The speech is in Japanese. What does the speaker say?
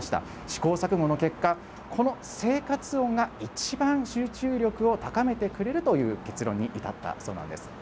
試行錯誤の結果、この生活音が、一番集中力を高めてくれるという結論に至ったそうなんです。